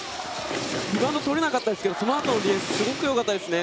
リバウンド取れなかったですがそのあとのディフェンスすごくよかったですね。